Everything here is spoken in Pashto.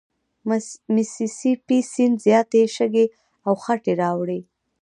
میسي سي پي سیند زیاتي شګې او خټې راوړي.